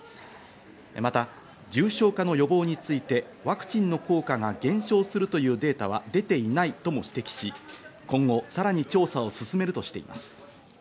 また重症化の予防についてワクチンの効果が減少するというデータは出ていないとも指摘し、今後さらに調査を進めるとしています。